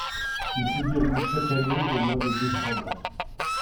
Il se déroule chaque année au mois de décembre.